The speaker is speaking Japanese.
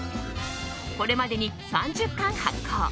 これまでに３０刊発行。